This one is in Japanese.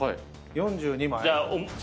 ４２枚？